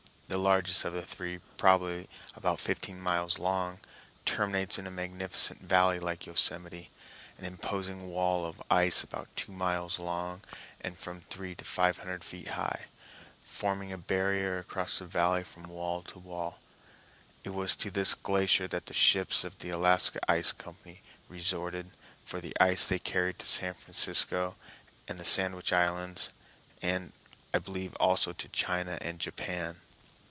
The largest of the three, probably about fifteen miles long, terminates in a magnificent valley like Yosemite, in an imposing wall of ice about two miles long, and from three to five hundred feet high, forming a barrier across the valley from wall to wall. It was to this glacier that the ships of the Alaska Ice Company resorted for the ice they carried to San Francisco and the Sandwich Islands, and, I believe, also to China and Japan.